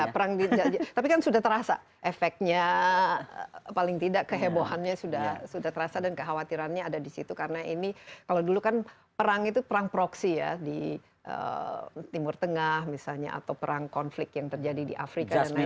perang tapi kan sudah terasa efeknya paling tidak kehebohannya sudah terasa dan kekhawatirannya ada di situ karena ini kalau dulu kan perang itu perang proksi ya di timur tengah misalnya atau perang konflik yang terjadi di afrika dan lain lain